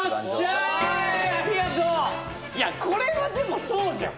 ありがとういやこれはでもそうじゃん